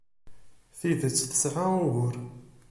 D tidet tesɛam ugur.